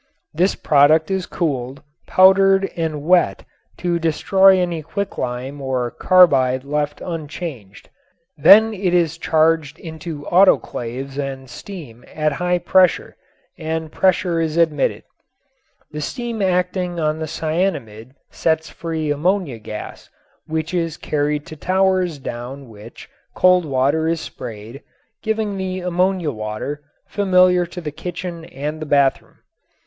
This product is cooled, powdered and wet to destroy any quicklime or carbide left unchanged. Then it is charged into autoclaves and steam at high temperature and pressure is admitted. The steam acting on the cyanamid sets free ammonia gas which is carried to towers down which cold water is sprayed, giving the ammonia water, familiar to the kitchen and the bathroom.